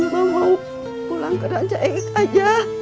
mak mau pulang ke rancang eik aja